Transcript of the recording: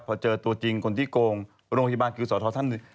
พอเจอตัวจริงคนที่โกงโรงพยาบาลคือสอทรท่านหนึ่ง